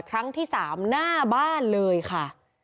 ครั้งที่๓หน้าบ้านเลยค่ะ